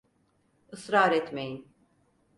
Israr etmeyin!